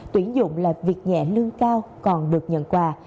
tuyển dụng là việc nhẹ lương cao còn được nhận quà